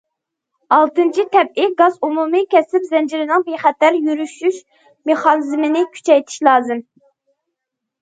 ئالتىنچى، تەبىئىي گاز ئومۇمىي كەسىپ زەنجىرىنىڭ بىخەتەر يۈرۈشۈش مېخانىزمىنى كۈچەيتىش لازىم.